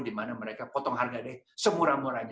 di mana mereka potong harga semurah murahnya